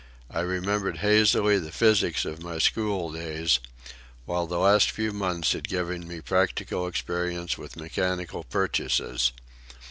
I remembered hazily the physics of my school days, while the last few months had given me practical experience with mechanical purchases.